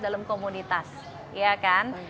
dalam komunitas ya kan